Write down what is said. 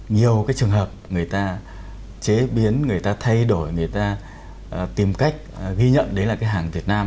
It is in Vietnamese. nhiều cái trường hợp người ta chế biến người ta thay đổi người ta tìm cách ghi nhận đấy là cái hàng việt nam